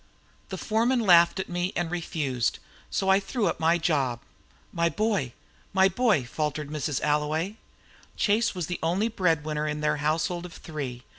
The foreman laughed at me and refused. So I threw up my job." "My boy! My boy!" faltered Mrs. Alloway Chase was the only bread winner in their household of three.